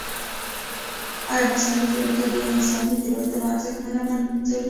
ایا مصنوعي ځیرکتیا د انساني تېروتنو ارزښت نه له منځه وړي؟